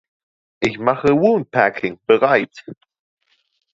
Ich mache Woundpacking bereit.